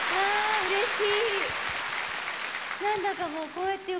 うれしい。